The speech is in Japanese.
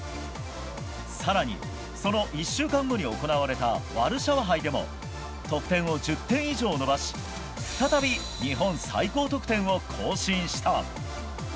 更にその１週間後に行われたワルシャワ杯でも得点を１０点以上伸ばし再び日本最高得点を更新した。